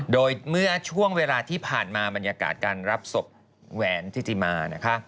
โดยเมื่อช่วงเวลาที่ผ่านมาบรรยากาศการรับศพแหวนทิติมานะคะ